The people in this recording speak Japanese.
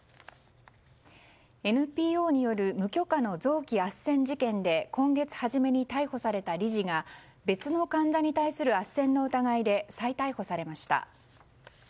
ＮＰＯによる無許可の臓器あっせん事件で今月初めに逮捕された理事が別の患者に対するあっせんの疑いで再逮捕されました。